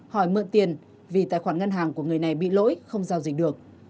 hỏi mượn tiền vì tài khoản ngân hàng của người này bị lỗi không giao dịch được